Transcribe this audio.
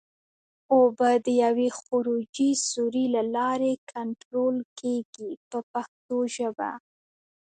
اوبه د یوې خروجي سوري له لارې کنټرول کېږي په پښتو ژبه.